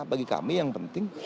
bagi kami yang penting